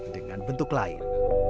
dengan bentuk lain